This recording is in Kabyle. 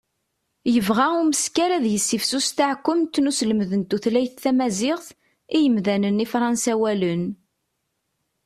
yebɣa umeskar ad yessifsus taɛekkumt n uselmed n tutlayt tamaziɣt i yimdanen ifransawalen